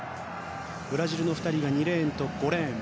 ブラジルの２人が２レーンと５レーン。